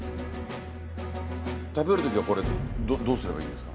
食べるときはこれどうすればいいですか？